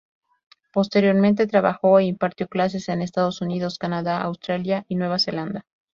Posteriormente trabajó e impartió clases en Estados Unidos, Canadá, Australia y Nueva Zelanda.